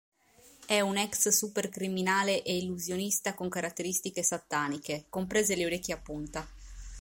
È un ex supercriminale e illusionista con caratteristiche sataniche, comprese le orecchie a punta.